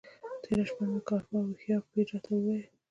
تېره شپه مې کار پوه او هوښیار پیر راته وویل.